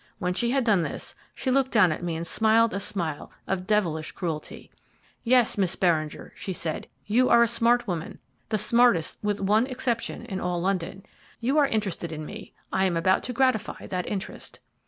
When she had done this, she looked down at me and smiled a smile of devilish cruelty. "'Yes, Miss Beringer,' she said, 'you are a smart woman, the smartest with one exception in all London. You are interested in me I am about to gratify that interest.'